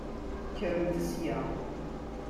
Kkremt sya!